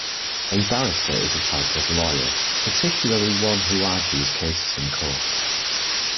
A barrister is a type of lawyer, particularly one who argues cases in court